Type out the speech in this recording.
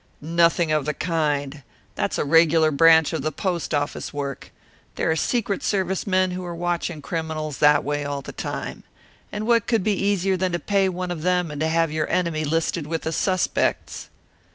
"Nothing of the kind. That's a regular branch of the post office work. There are Secret Service men who are watching criminals that way all the time. And what could be easier than to pay one of them, and to have your enemy listed with the suspects?"